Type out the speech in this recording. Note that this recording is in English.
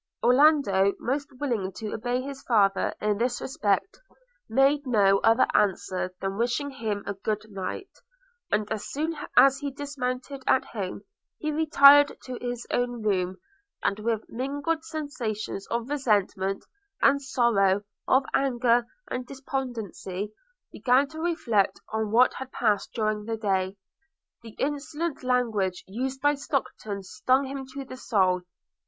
Orlando, most willing to obey his father in this respect, made no other answer than wishing him a good night; and as soon as he dismounted at home, he retired to his own room, and, with mingled sensations of resentment and sorrow, of anger and despondency, began to reflect on what had passed during the day. The insolent language used by Stockton stung him to the soul.